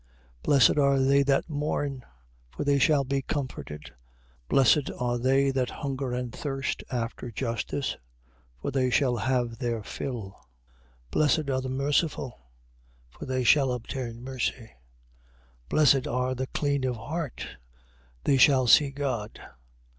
5:5. Blessed are they that mourn: for they shall be comforted. 5:6. Blessed are they that hunger and thirst after justice: for they shall have their fill. 5:7. Blessed are the merciful: for they shall obtain mercy. 5:8. Blessed are the clean of heart: they shall see God.